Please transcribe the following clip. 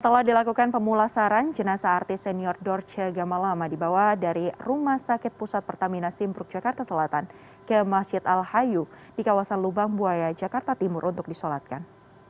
setelah dilakukan pemulasaran jenazah artis senior dorce gamalama dibawa dari rumah sakit pusat pertamina simpruk jakarta selatan ke masjid al hayu di kawasan lubang buaya jakarta timur untuk disolatkan